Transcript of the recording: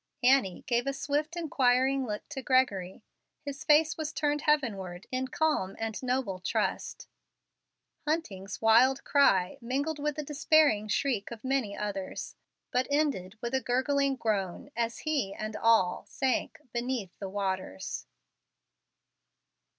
Annie gave a swift, inquiring look to Gregory. His face was turned heavenward, in calm and noble trust. Hunting's wild cry mingled with the despairing shriek of many others, but ended in a gurgling groan as he and all sank beneath the waters.